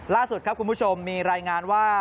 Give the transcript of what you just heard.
ล่าสุดครับคุณผู้ชมมีรายงานว่า